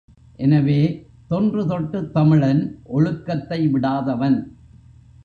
எனவே, தொன்று தொட்டுத் தமிழன் ஒழுக்கத்தை விடாதவன்.